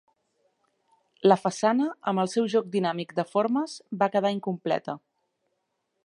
La façana, amb el seu joc dinàmic de formes, va quedar incompleta.